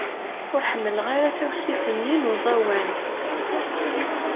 Ur ḥemmleɣ ara tawsit-nni n uẓawan.